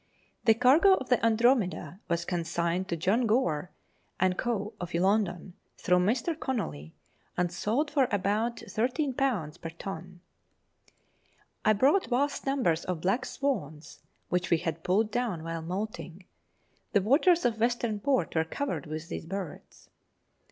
The cargo of the Andromeda was consigned to John Gore and Co., of London, through Mr. Conolly, and sold for about 13 per ton. I brought vast numbers of black swans, which we had pulled down while moulting ; the waters of Western Port were covered with these birds.